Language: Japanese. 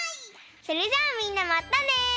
それじゃあみんなまたね！